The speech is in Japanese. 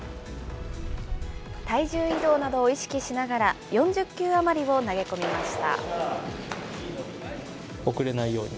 体重移動などを意識しながら４０球あまりを投げ込みました。